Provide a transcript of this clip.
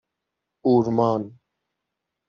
اورمان